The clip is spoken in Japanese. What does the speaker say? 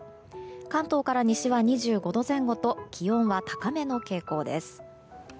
関東から西は２５度前後と気温は高めの傾向です。